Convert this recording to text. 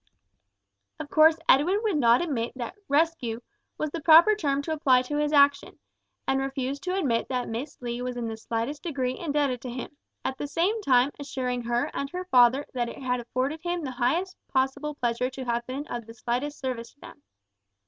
Of course Edwin would not admit that "rescue" was the proper term to apply to his action, and refused to admit that Miss Lee was in the slightest degree indebted to him, at the same time assuring her and her father that it had afforded him the highest possible pleasure to have been of the slightest service to them.